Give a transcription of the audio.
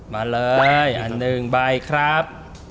มาเลยอันหนึ่งใบครับ